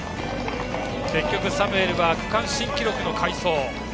結局、サムエルは区間新記録の快走。